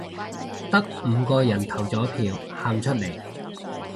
得五個人投咗票，喊出嚟